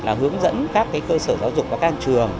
là hướng dẫn các cơ sở giáo dục và các trường